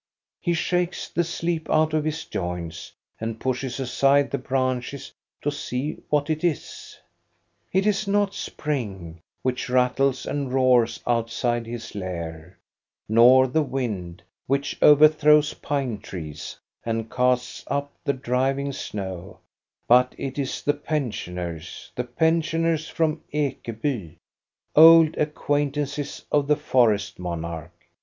He shakes the sleep out of his joints, and pushes aside the branches to see what it is. It is not spring, which rattles and roars outside his lair, nor the wind, which overthrows pine trees and casts up the driving snow, but it is the pensioners, the pensioners from Ekeby, old acquaintances of the forest monarch.